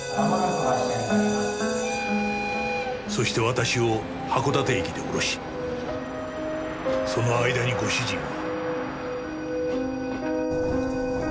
そして私を函館駅で降ろしその間にご主人は。